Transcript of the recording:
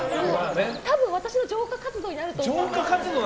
多分、私の浄化活動になると思うんですよ。